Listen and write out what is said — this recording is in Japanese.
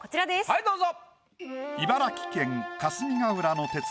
はいどうぞ。